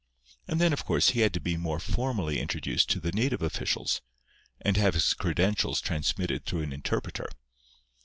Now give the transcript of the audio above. And then, of course, he had to be more formally introduced to the native officials, and have his credentials transmitted through an interpreter.